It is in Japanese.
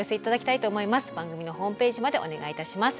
番組のホームページまでお願いいたします。